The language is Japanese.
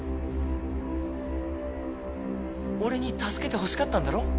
俺に助けてほしかったんだろ？